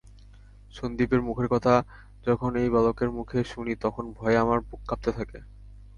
সন্দীপের মুখের কথা যখন এই বালকের মুখে শুনি তখন ভয়ে আমার বুক কাঁপতে থাকে।